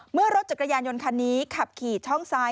เมื่อรถจักรยานยนต์คันนี้ขับขี่ช่องซ้าย